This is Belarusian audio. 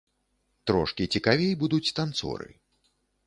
Трошкі цікавей будуць танцоры.